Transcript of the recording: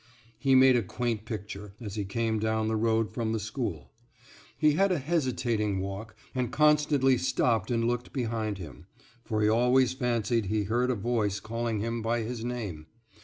He made a quaint picture, as he came down the road from the school. He had a hesitating walk, and constantly stopped and looked behind him; for he always fancied he heard a voice calling him by his name.